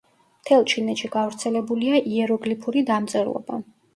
მთელ ჩინეთში გავრცელებულია იეროგლიფური დამწერლობა.